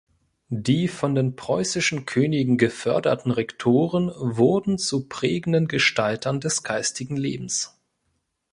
Die von den preußischen Königen geförderten Rektoren wurden zu prägenden Gestaltern des geistigen Lebens.